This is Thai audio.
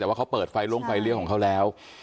แต่ว่าเขาเปิดไฟล้งไฟเลี้ยของเขาแล้ว